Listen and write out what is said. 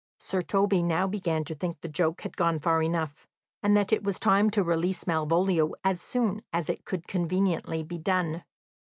Sir Toby now began to think the joke had gone far enough, and that it was time to release Malvolio as soon as it could conveniently be done.